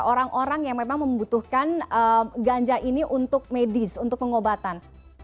orang orang yang memang membutuhkan ganja ini untuk medis untuk pengobatan